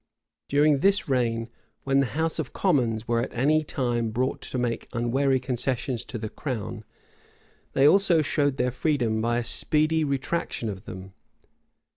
During this reign, when the house of commons were at any time brought to make unwary concessions to the crown they also showed their freedom by a speedy retractation of them.